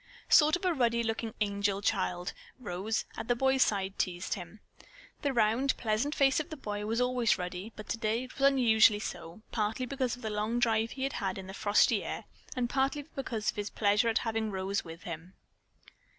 "Sort of a ruddy looking angel child," Rose, at the boy's side, teased him. The round, pleasant face of the boy was always ruddy, but today it was unusually so, partly because of the long drive he had had in the frosty air and partly because of his pleasure at having Rose with him.